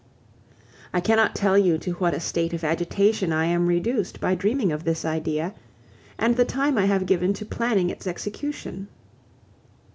I cannot tell you to what a state of agitation I am reduced by dreaming of this idea, and the time I have given to planning its execution.